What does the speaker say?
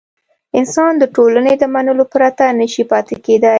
انسان د ټولنې له منلو پرته نه شي پاتې کېدای.